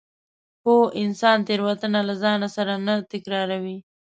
پوه انسان تېروتنه له ځان سره نه تکراروي.